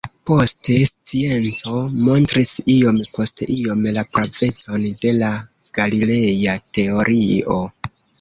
Poste scienco montris iom post iom la pravecon de la Galileja teorio.